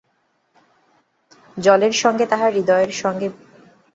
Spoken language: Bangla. জলের সঙ্গে তাহার হৃদয়ের সঙ্গে বিশেষ যেন কী মিল ছিল।